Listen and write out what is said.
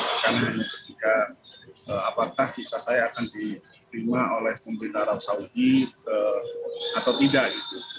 bukan hanya ketika apakah visa saya akan dikirim oleh pemerintah arab saudi atau tidak gitu